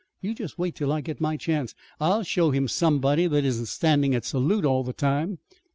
You just wait till I get my chance. I'll show him somebody that isn't standing at salute all the time."